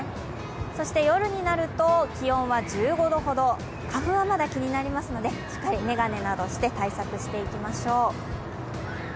そして夜になると気温は１５度ほど花粉はまだ気になりますのでしっかり眼鏡などをして対策をしていきましょう。